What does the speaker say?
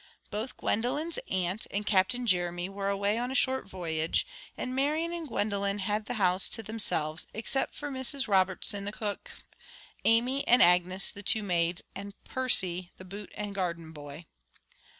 Both Gwendolen's aunt and Captain Jeremy were away on a short voyage, and Marian and Gwendolen had the house to themselves, except for Mrs Robertson, the cook, Amy and Agnes, the two maids, and Percy, the boot and garden boy.